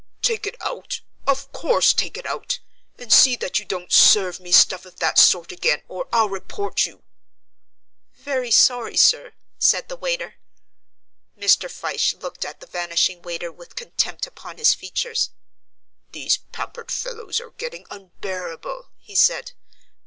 "Take it out? Of course take it out, and see that you don't serve me stuff of that sort again, or I'll report you." "Very sorry, sir," said the waiter. Mr. Fyshe looked at the vanishing waiter with contempt upon his features. "These pampered fellows are getting unbearable." he said.